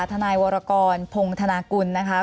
ทนายวรกรพงธนากุลนะคะ